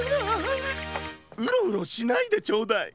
ウロウロしないでちょうだい。